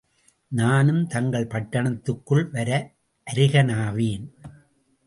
நானுந் தங்கள் பட்டணத்துக்குள் வர அருகனாவேன்.